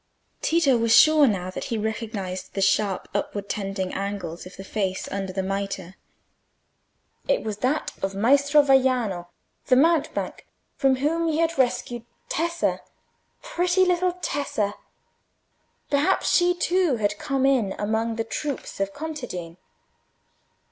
Tito was sure now that he recognised the sharp upward tending angles of the face under the mitre: it was that of Maestro Vaiano, the mountebank, from whom he had rescued Tessa. Pretty little Tessa! Perhaps she too had come in among the troops of contadine.